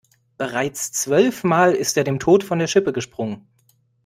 Bereits zwölf Mal ist er dem Tod von der Schippe gesprungen.